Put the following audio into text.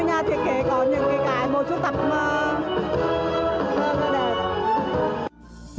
các nhà thiết kế có những cái mẫu chốt tập đẹp